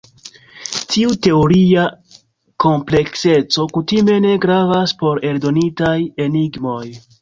Tiu teoria komplekseco kutime ne gravas por eldonitaj enigmoj.